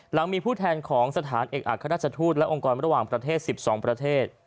หลังมีผู้แทนของสถานเอกอัครราชทูตและองค์กรระหว่างประเทศ๑๒ประเทศ